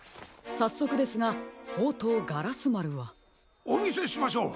さっそくですがほうとうガラスまるは？おみせしましょう。